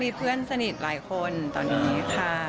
มีเพื่อนสนิทหลายคนตอนนี้ค่ะ